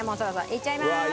いっちゃいまーす。